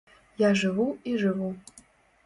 Я жыву, і жыву.